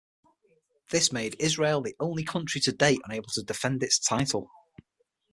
This made Israel the only country to date unable to defend its title.